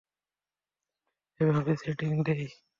এভাবে সেটিং দেয়?